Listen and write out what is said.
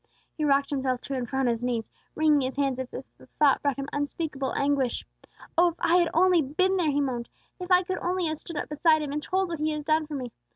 He rocked himself to and fro on his knees, wringing his hands as if the thought brought him unspeakable anguish. "Oh, if I had only been there!" he moaned. "If I could only have stood up beside Him and told what He had done for me!